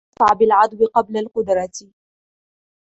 وَلَا نَفْعَ بِالْعَدْوِ قَبْلَ الْقُدْرَةِ